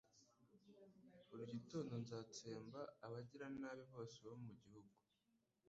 Buri gitondo nzatsemba abagiranabi bose bo mu gihugu